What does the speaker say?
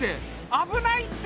危ないって！